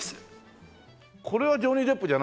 これはジョニー・デップじゃないでしょ？